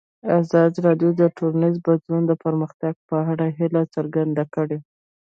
ازادي راډیو د ټولنیز بدلون د پرمختګ په اړه هیله څرګنده کړې.